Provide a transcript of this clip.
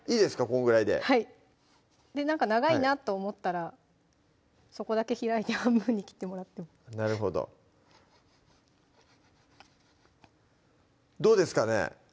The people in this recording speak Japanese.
このぐらいではいなんか長いなと思ったらそこだけ開いて半分に切ってもらってもなるほどどうですかね